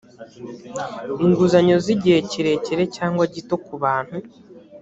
inguzanyo z igihe kirekire cyangwa gito ku bantu